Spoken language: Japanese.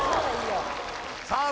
さあ